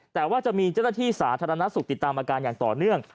แต่ว่าจะมีเจ้าหน้าที่สาธารณสุขติดตามอาการอย่างต่อเนื่อง